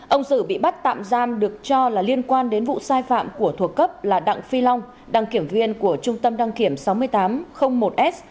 ông sử bị bắt tạm giam được cho là liên quan đến vụ sai phạm của thuộc cấp là đặng phi long đăng kiểm viên của trung tâm đăng kiểm sáu nghìn tám trăm linh một s